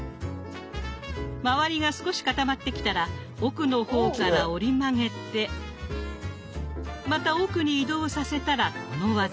周りが少し固まってきたら奥の方から折り曲げてまた奥に移動させたらこの技。